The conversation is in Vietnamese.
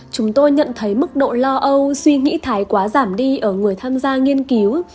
chúng tôi nhận thấy mức độ lo âu suy nghĩ thái quá giảm đi ở người tham gia nghiên cứu